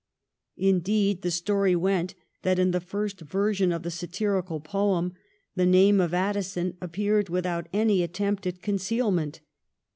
Indeed, the story went that in the first version of the satirical poem the name of Addison appeared without any attempt at concealment.